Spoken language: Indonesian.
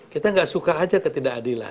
kita nggak suka aja ketidakadilan